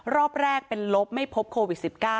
รอบแรกเป็นลบไม่พบโควิด๑๙